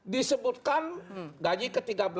disebutkan gaji ke tiga belas